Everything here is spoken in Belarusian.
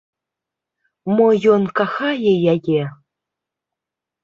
Мо ён кахае яе?